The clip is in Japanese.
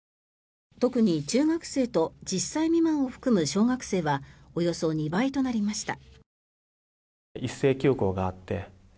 特に中学生と１０歳未満を含む小学生はおよそ２倍となりました。